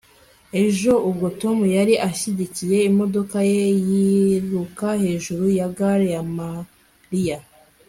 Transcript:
ejo, ubwo tom yari ashyigikiye imodoka ye, yiruka hejuru ya gare ya mariya